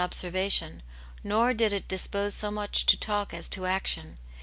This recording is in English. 157 observation, nor did it dispose so much to talk as to action.